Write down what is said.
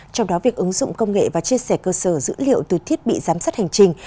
trong đó việc ứng dụng công nghệ và chia sẻ cơ sở dữ liệu từ thiết bị giám sát hành trình